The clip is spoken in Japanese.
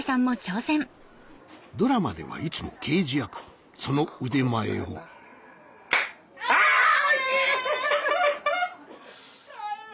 ドラマではいつも刑事役その腕前をあ惜しい！